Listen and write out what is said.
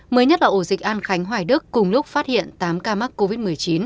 mới nhất là ổ dịch an khánh hoài đức cùng lúc phát hiện tám ca mắc covid một mươi chín